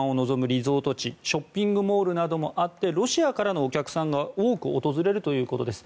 リゾート地ショッピングモールなどもあってロシアからのお客さんが多く訪れるということです。